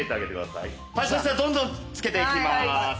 そしたらどんどんつけていきます。